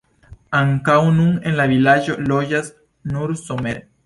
Ankaŭ nun en la vilaĝo loĝas nur somere.